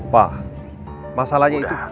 pak masalahnya itu